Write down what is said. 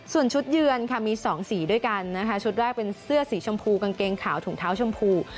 ส่วนชุดเยือนค่ะมี๒สีด้วยกันนะคะชุดแรกเป็นเสื้อสีชมพูกางเกงขาวถุงเท้าชมพู